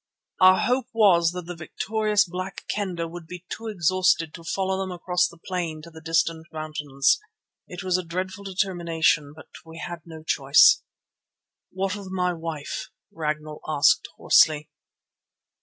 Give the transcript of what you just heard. Our hope was that the victorious Black Kendah would be too exhausted to follow them across the plain to the distant mountains. It was a dreadful determination, but we had no choice. "What of my wife?" Ragnall asked hoarsely.